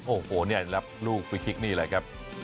โอ้โหเนี่ยรับลูกฟรีคลิกนี่แหละครับ